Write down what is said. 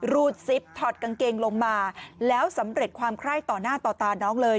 รูดซิปถอดกางเกงลงมาแล้วสำเร็จความไคร้ต่อหน้าต่อตาน้องเลย